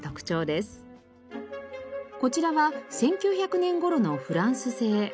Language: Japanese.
こちらは１９００年頃のフランス製。